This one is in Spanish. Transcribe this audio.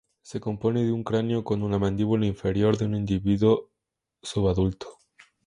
Se compone de un cráneo con la mandíbula inferior, de un individuo subadulto.